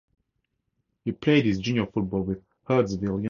He played his junior football with Hurstville United.